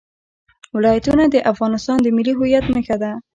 ولایتونه د افغانستان د ملي هویت نښه ده.